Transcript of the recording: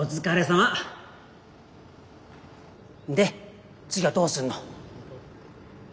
んで次はどうすんの？